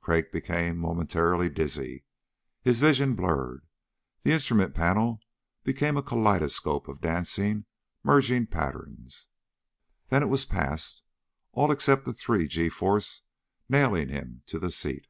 Crag became momentarily dizzy. His vision blurred ... the instrument panel became a kaleidoscope of dancing, merging patterns. Then it was past, all except the three g force nailing him to the seat.